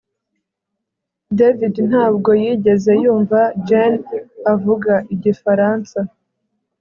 David ntabwo yigeze yumva Jane avuga igifaransa